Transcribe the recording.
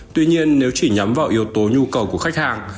tuy nhiên nếu chỉ nhắm vào yếu tố nhu cầu của khách hàng